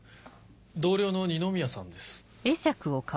同僚の二宮さんです。